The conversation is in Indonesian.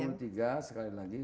jadi memang dua ribu tiga sekali lagi